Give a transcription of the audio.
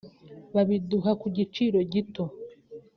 babiduha ku giciro gito